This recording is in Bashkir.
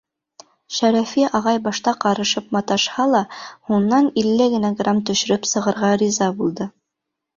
Шәрәфи ағай башта ҡарышып маташһа ла, һуңынан илле генә грамм төшөрөп сығырға риза булды.